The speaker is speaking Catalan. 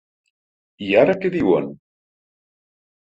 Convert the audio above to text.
I ara què diuen?